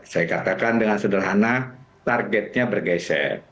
saya katakan dengan sederhana targetnya bergeser